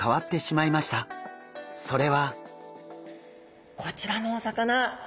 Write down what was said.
それは。こちらのお魚。